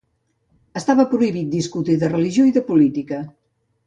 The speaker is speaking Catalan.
Està prohibit discutir de religió i de política.